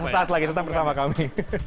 sesaat lagi tetap bersama kami